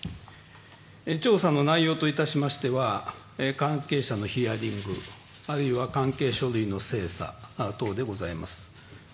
調査の内容といたしましては関係者のヒアリングあるいは関係書類の精査等でございます。